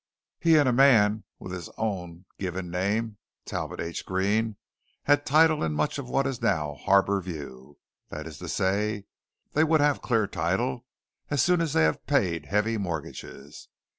He and a man with his own given name, Talbot H. Green, had title in much of what is now Harbour View that is to say, they would have clear title as soon as they had paid heavy mortgages.